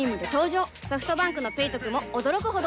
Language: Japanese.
ソフトバンクの「ペイトク」も驚くほどおトク